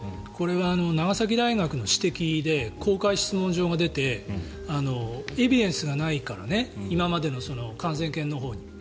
これは長崎大学の指摘で公開質問状が出てエビデンスがないから今までの感染研のほうに。